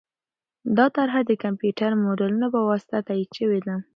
دا طرحه د کمپیوټري ماډلونو په واسطه تایید شوې ده.